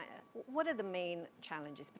dan apa yang adalah tantangan utama